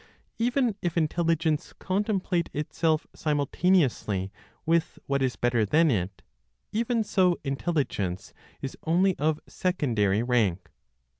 Even if intelligence contemplate itself simultaneously with what is better than it, even so intelligence is only of secondary rank.